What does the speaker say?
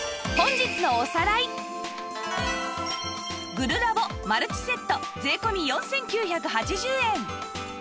グルラボマルチセット税込４９８０円